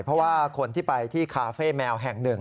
เพราะว่าคนที่ไปที่คาเฟ่แมวแห่งหนึ่ง